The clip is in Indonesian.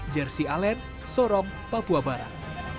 jersey allen sorong papua barat